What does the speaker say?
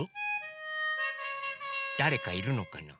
だれかいるのかな？